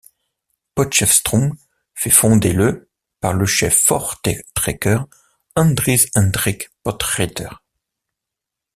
Potchefstroom fut fondée le par le chef voortrekker Andries Hendrik Potgieter.